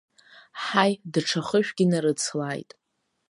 Ҳаи, даҽа хышәгьы нарыцлааит!